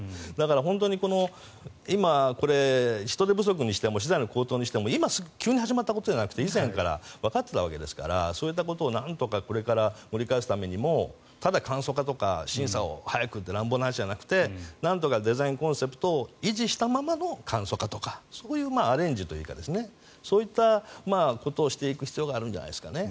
本当に今、人手不足にしても資材の高騰にしても急に始まったことではなく以前からわかっていたわけですからそういったことをこれから盛り返すためにもただ簡素化とか審査を早くという話じゃなくてなんとかデザインコンセプトを維持したままの簡素化とかそういうアレンジというかそういったことをしていく必要があるんじゃないですかね。